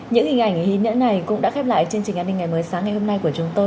những hình ảnh ý nghĩa này cũng đã khép lại chương trình an ninh ngày mới sáng ngày hôm nay của chúng tôi